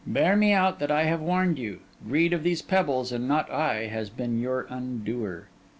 'Bear me out that I have warned you. Greed of these pebbles, and not I, has been your undoer.